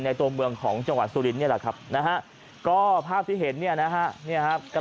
ในตัวเมืองของจังหวัดสุรินเนี่ยแหละครับ